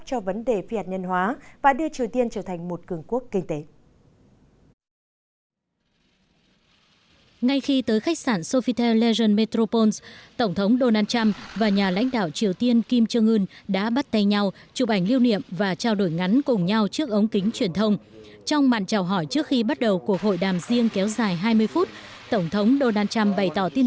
cho vấn đề phi hạt nhân hóa và đưa triều tiên trở thành một cường quốc kinh tế